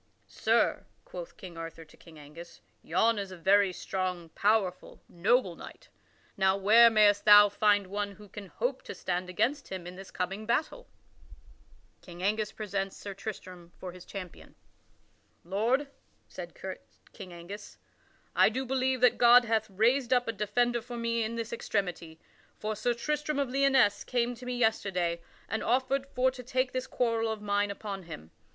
"Sir." quoth King Arthur to King Angus, "yon is a very strong, powerful, noble knight; now where mayst thou find one who can hope to stand against him in this coming battle?" [Sidenote: King Angus presents Sir Tristram for his champion] "Lord," said King Angus, "I do believe that God hath raised up a defender for me in this extremity. For Sir Tristram of Lyonesse came to me yesterday, and offered for to take this quarrel of mine upon him.